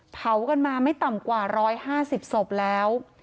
เผากันมาไม่ต่ำกว่า๑๕๐ศพแล้ว